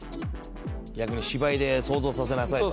「逆に芝居で想像させなさい」と。